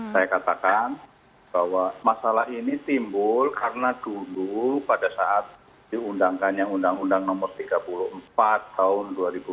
saya katakan bahwa masalah ini timbul karena dulu pada saat diundangkannya undang undang nomor tiga puluh empat tahun dua ribu empat belas